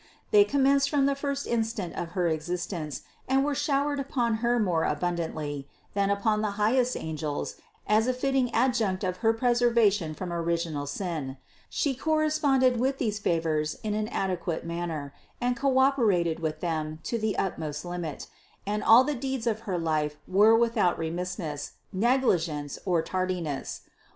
They commenced from the first instant of her existence and were showered upon Her more abundantly than upon the highest angels as a fitting ad junct of her preservation from original sin; She cor responded with these favors in an adequate manner and co operated with them to the utmost limit, and all the deeds of her life were without remissness, negligence or tardiness.